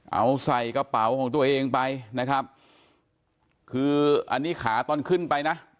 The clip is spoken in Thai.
เอาใส่กระเป๋าของตัวเองไปนะครับคืออันนี้ขาตอนขึ้นไปนะ